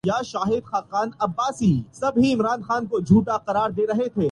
اس روایت میں اس غیر مادی دنیا کے ایک معاملے کے بارے میں خبردی گئی ہے